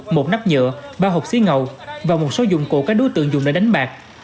một nắp nhựa ba hộp xí ngầu và một số dụng cụ các đối tượng dùng để đánh bạc